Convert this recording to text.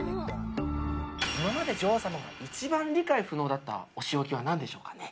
今まで女王様が一番理解不能だったお仕置きはなんでしょうかね？